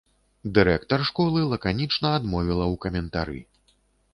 Дырэктар школы лаканічна адмовіла ў каментары.